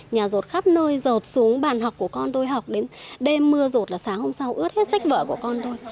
nhà rột khắp nơi rột xuống bàn học của con tôi học đến đêm mưa rột là sáng hôm sau ướt hết sách vở của con thôi